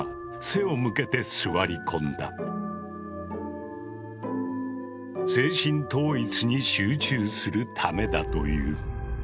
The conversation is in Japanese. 精神統一に集中するためだという。